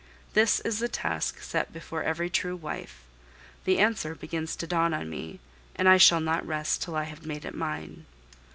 This is the task set before every true wife; the answer begins to dawn on me, and I shall not rest till I have made it mine.